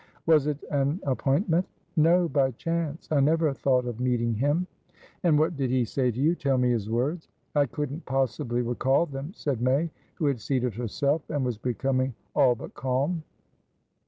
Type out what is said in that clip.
"Was it an appointment?" "No. By chance. I never thought of meeting him." "And what did he say to you? Tell me his words." "I couldn't possibly recall them," said May, who had seated herself, and was becoming all but calm.